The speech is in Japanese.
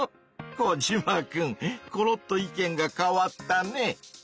コジマくんコロッと意見が変わったね！